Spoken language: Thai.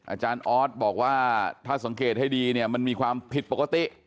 อาจารย์ออสบอกว่าถ้าสังเกตให้ดีเนี่ยมันมีความผิดปกติ